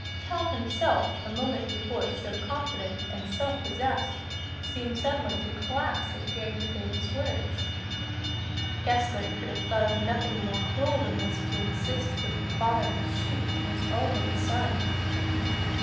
Tell himself, a moment before so confident and self possessed, seemed suddenly to collapse at hearing the bailiff's words. Gessler could have thought of nothing more cruel than thus to insist that the father must shoot at his own little son.